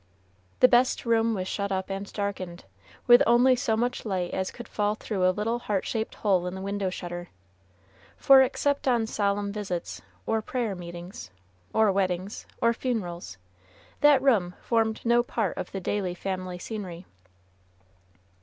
The best room was shut up and darkened, with only so much light as could fall through a little heart shaped hole in the window shutter, for except on solemn visits, or prayer meetings, or weddings, or funerals, that room formed no part of the daily family scenery.